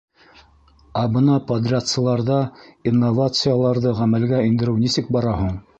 Ә бына подрядсыларҙа инновацияларҙы ғәмәлгә индереү нисек бара һуң?